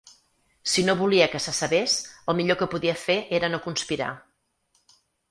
Si no volia que se sabés el millor que podia fer era no conspirar.